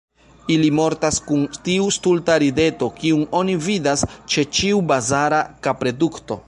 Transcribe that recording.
Ili mortas kun tiu stulta rideto, kiun oni vidas ĉe ĉiu bazara kapredukto.